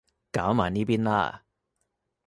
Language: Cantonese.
搞埋呢邊啦